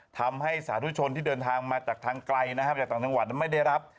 ทำให้สาธุชนที่เดินทางมาจากทางไกลนะครับจากต่างจังหวัดนั้นไม่ได้รับ